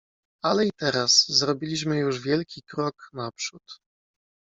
"Ale i teraz zrobiliśmy już wielki krok naprzód."